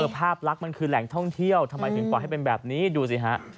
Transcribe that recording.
ภาพลักษณ์มันคือแหล่งท่องเที่ยวทำไมถึงปล่อยให้เป็นแบบนี้ดูสิฮะ